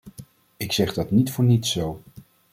Ik zeg dat niet voor niets zo.